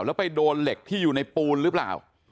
แล้วไปโดนเหล็กที่อยู่ในปูนหรือเปล่า